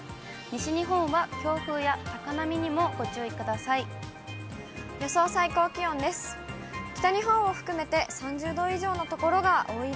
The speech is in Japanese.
西日本は強風や高波にもご注意ください。